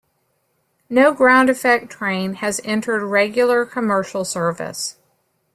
No ground effect train has entered regular commercial service.